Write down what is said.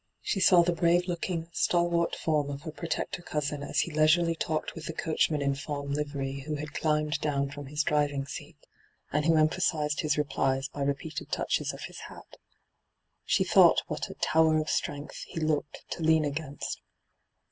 She saw the brave looking, stalwart form of her protector cousin as he leisurely talked with the coachman in fown livery who had climbed hyGoogIc ENTRAPPED 259 down &om his driving seat, and who empha sized his replies by repeated touches of bis bat She thought what a ' tower of strength ' he looked to lean against.